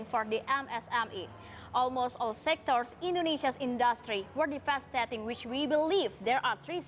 pertama tama saya ingin mengucapkan terima kasih kepada analis